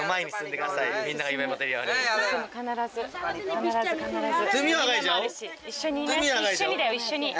必ず必ず。